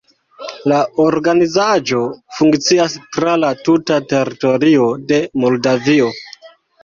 La organizaĵo funkcias tra la tuta teritorio de Moldavio.